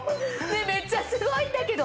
めっちゃすごいんだけど！